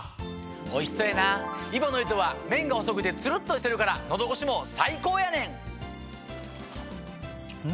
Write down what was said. おいしそうやな揖保乃糸は麺が細くてツルっとしてるから喉越しも最高やねん！ね？